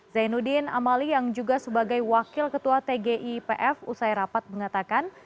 zainuddin amali yang juga sebagai wakil ketua tgipf usai rapat mengatakan